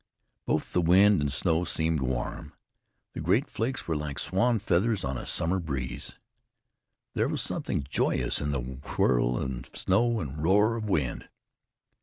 Both the wind and snow seemed warm. The great flakes were like swan feathers on a summer breeze. There was something joyous in the whirl of snow and roar of wind.